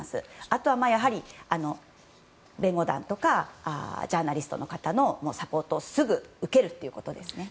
あとは弁護団とかジャーナリストの方のサポートをすぐ受けるということですね。